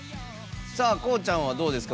こうちゃんはどうですか？